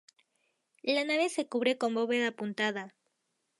La nave se cubre con bóveda apuntada.